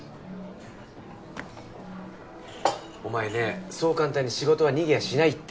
お前ねそう簡単に仕事は逃げやしないって。